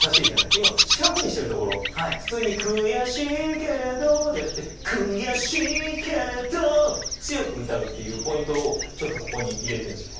今四角にしてるところ普通に「くやしいけれど」じゃなくてくやしいけれっど！強く歌うっていうポイントをちょっとここに入れてるんすよ。